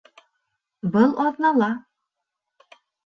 Был аҙнала